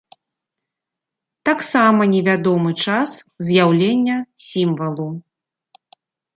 Таксама невядомы час з'яўлення сімвалу.